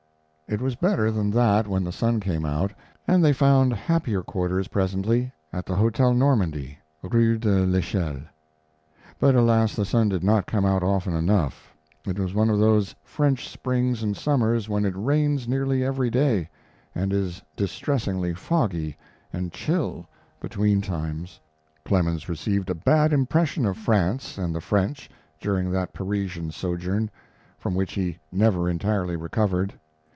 It was better than that when the sun came out, and they found happier quarters presently at the Hotel Normandy, rue de l'Echelle. But, alas, the sun did not come out often enough. It was one of those French springs and summers when it rains nearly every day, and is distressingly foggy and chill between times. Clemens received a bad impression of France and the French during that Parisian sojourn, from which he never entirely recovered.